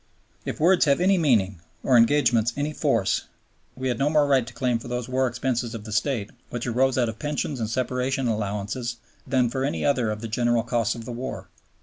If words have any meaning, or engagements any force, we had no more right to claim for those war expenses of the State, which arose out of Pensions and Separation Allowances, than for any other of the general costs of the war.